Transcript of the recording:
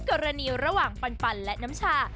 กรณีระหว่างปันและน้ำชา